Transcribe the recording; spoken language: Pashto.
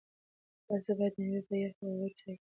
تاسو باید مېوې په یخ او وچ ځای کې وساتئ.